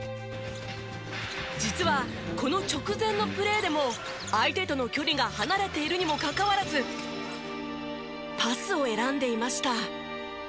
実はこの直前のプレーでも相手との距離が離れているにもかかわらずパスを選んでいました。